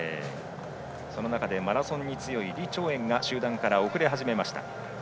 その中でマラソンに強い李朝燕が集団から遅れ始めました。